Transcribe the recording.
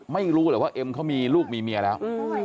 ไม่รู้เหรอว่าเอ็มเขามีลูกมีเมียแล้ว